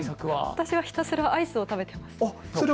私はひたすらアイスを食べています。